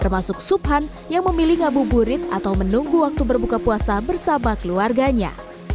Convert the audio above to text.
termasuk subhan yang memilih ngabuburit atau menunggu waktu berbuka puasa bersama keluarganya